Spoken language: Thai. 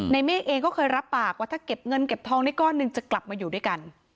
เมฆเองก็เคยรับปากว่าถ้าเก็บเงินเก็บทองได้ก้อนหนึ่งจะกลับมาอยู่ด้วยกัน